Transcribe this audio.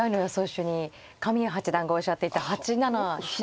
手に神谷八段がおっしゃっていた８七飛車